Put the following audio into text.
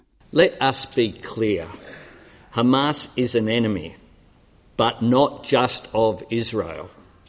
mari kita jelaskan hamas adalah musuh tapi bukan hanya dari israel